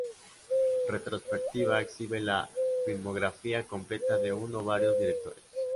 Retrospectiva exhibe la filmografía completa de uno o varios directores.